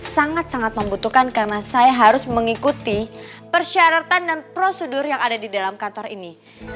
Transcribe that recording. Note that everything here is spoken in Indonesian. sangat sangat membutuhkan karena saya harus mengikuti persyaratan dan prosedur yang ada di dalam kantor ini